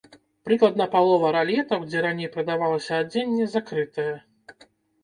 Прыкладна палова ралетаў, дзе раней прадавалася адзенне, закрытая.